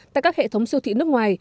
tại các hệ thống siêu thị nước ngoài